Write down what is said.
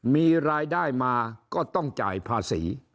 มีรายได้มาก็ต้องจ่ายภาษี